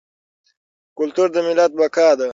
کلتور د ملت بقا ده.